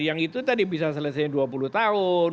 yang itu tadi bisa selesai dua puluh tahun